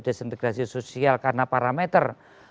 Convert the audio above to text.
disintegrasi sosial karena parameter